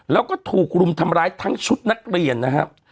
แล้วก็ถูกรุมทำร้ายทั้งชุดนักเรียนนะครับ